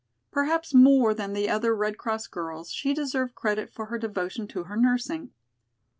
Perhaps more than the other Red Cross girls she deserved credit for her devotion to her nursing.